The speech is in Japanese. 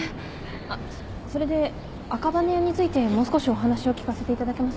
あっそれで赤羽屋についてもう少しお話を聞かせていただけませんか？